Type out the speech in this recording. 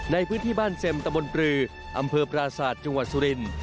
ในพื้นที่บ้านเซ็มตะบนปรืออำเภอปราศาสตร์จังหวัดสุรินทร์